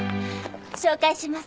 紹介します。